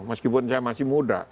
meskipun saya masih muda